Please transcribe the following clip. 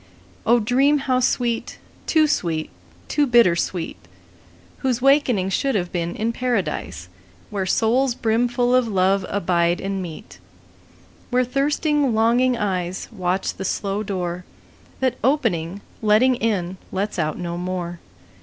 O dream how sweet, too sweet, too bitter sweet, Whose wakening should have been in Paradise, Where souls brimful of love abide and meet; Where thirsting longing eyes Watch the slow door That opening, letting in, lets out no more.